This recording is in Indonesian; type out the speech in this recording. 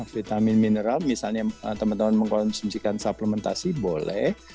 vitamin mineral misalnya teman teman mengkonsumsikan suplementasi boleh